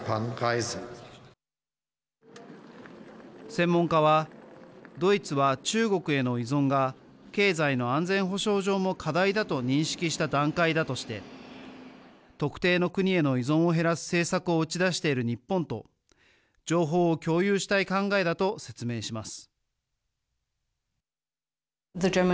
専門家はドイツは中国への依存が経済の安全保障上の課題だと認識した段階だとして特定の国への依存を減らす政策を打ち出している日本と情報を共有したい考えだと説明します。